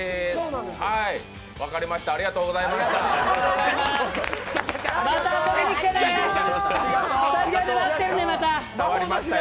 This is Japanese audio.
分かりましたありがとうございました。